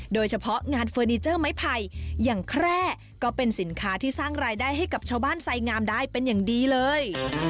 โดยเฉพาะงานเฟอร์นิเจอร์ไม้ไผ่อย่างแคร่ก็เป็นสินค้าที่สร้างรายได้ให้กับชาวบ้านไซงามได้เป็นอย่างดีเลย